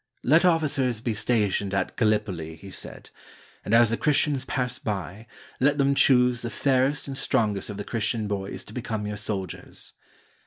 "Let officers be stationed at Gallipoli," he said, "and as the Christians pass by, let them choose the fairest and strongest of the Christian boys to become your soldiers."